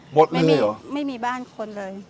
หมดเลยเหรอไม่มีบ้านคนเลย